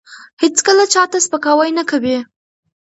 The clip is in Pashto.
هیڅکله چا ته سپکاوی نه کوي.